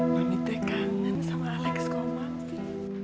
mami teh kangen sama alex komasi